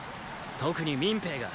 特に民兵が。